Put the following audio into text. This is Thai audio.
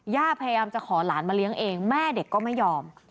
พยายามจะขอหลานมาเลี้ยงเองแม่เด็กก็ไม่ยอม